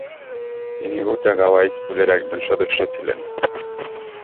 তিনি উটাগাওয়া স্কুলের একজন সদস্য ছিলেন।